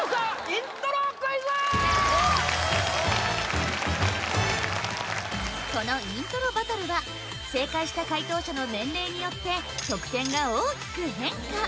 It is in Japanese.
イントロクイズこのイントロバトルは正解した解答者の年齢によって得点が大きく変化！